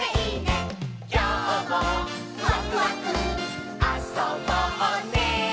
「きょうもワクワクあそぼうね」